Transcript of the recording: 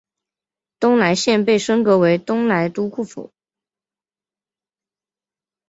东莱县被升格为东莱都护府。